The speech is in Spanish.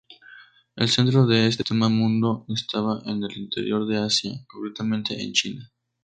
El centro de este sistema-mundo estaba en el interior de Asia; concretamente, en China.